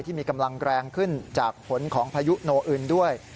ที่มีกำลังแรงขึ้นจากผลของพายุโนอื่นด้วย